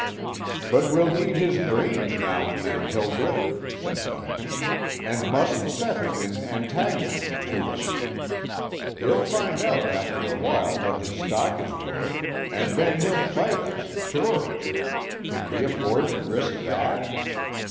"But we'll need his brains now and then, Hildreth," said Duncan, "and mustn't set him in antagonism to us. He'll find out after a while what his stock is worth, and then he'll fight us, sure. Can we afford to risk that?"